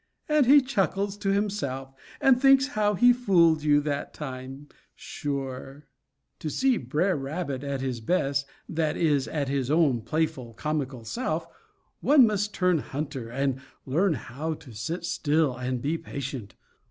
And he chuckles to himself, and thinks how he fooled you that time, sure. To see Br'er Rabbit at his best, that is, at his own playful comical self, one must turn hunter, and learn how to sit still, and be patient.